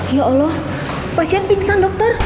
ya allah pasien pingsan dokter